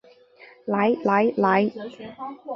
来来来